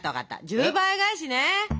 １０倍返しね。